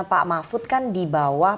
pak mahfud kan di bawah